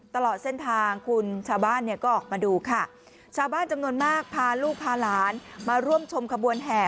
ตลอดเส้นทางคุณชาวบ้านเนี่ยก็ออกมาดูค่ะชาวบ้านจำนวนมากพาลูกพาหลานมาร่วมชมขบวนแห่